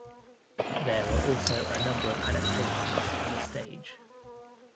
There are also a number of adaptations for the stage.